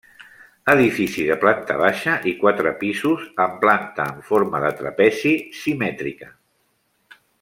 Edifici de planta baixa i quatre pisos, amb planta en forma de trapezi, simètrica.